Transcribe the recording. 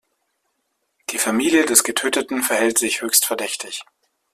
Die Familie des Getöteten verhält sich höchst verdächtig.